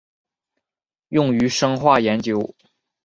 用于生化研究。